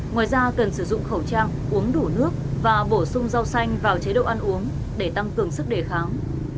ngoài ra cần sử dụng khẩu trang uống đủ nước và bổ sung rau xanh vào chế độ ăn uống để tăng cường sức đề kháng